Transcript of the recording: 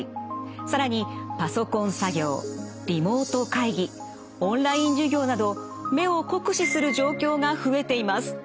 更にパソコン作業リモート会議オンライン授業など目を酷使する状況が増えています。